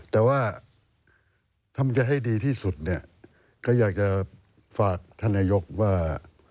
แต่ว่าถ้ามันจะให้ดีที่สุดเนี่ยก็อยากจะฝากท่านนายกว่า